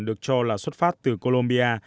được cho là xuất phát từ colombia